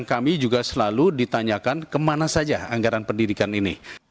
kami juga selalu ditanyakan kemana saja anggaran pendidikan ini